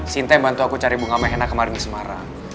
sinta yang bantu aku cari bunga main enak kemarin di semarang